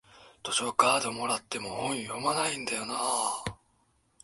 図書カードもらっても本読まないんだよなあ